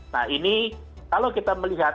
nah ini kalau kita melihat